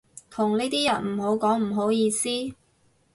同呢啲人唔好講唔好意思